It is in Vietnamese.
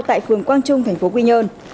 tại phường quang trung tp quy nhơn